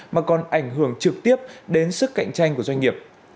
mà còn ảnh hưởng trực tiếp đến sức khỏe